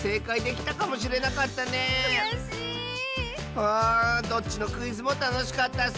うんどっちのクイズもたのしかったッス！